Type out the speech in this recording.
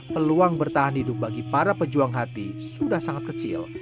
peluang bertahan hidup bagi para pejuang hati sudah sangat kecil